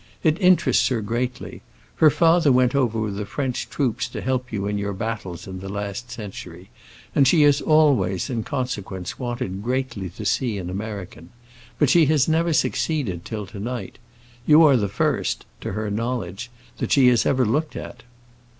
"It interests her greatly. Her father went over with the French troops to help you in your battles in the last century, and she has always, in consequence, wanted greatly to see an American. But she has never succeeded till to night. You are the first—to her knowledge—that she has ever looked at."